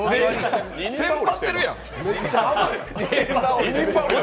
テンパってるの？